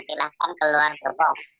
silahkan keluar gerbong